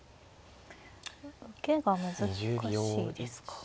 受けが難しいですか。